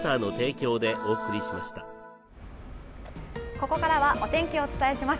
ここからはお天気をお伝えします。